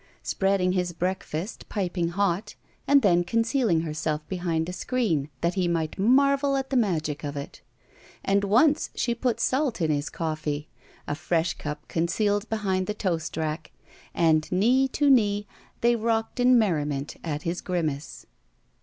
Spreading his breakfast piping hot, and then con cealing herself behind a screen, that he might marvel at the magic of it. And once she put salt in his coffee, a fresh cup concealed behind the toast rack, and knee to knee they rocked in merriment at his grimace.